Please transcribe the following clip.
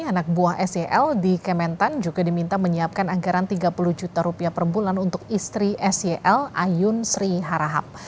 anak buah sel di kementan juga diminta menyiapkan anggaran tiga puluh juta rupiah per bulan untuk istri sel ayun sri harahap